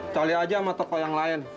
cari aja sama toko yang lain